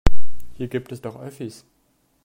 Hier gibt es doch Öffis.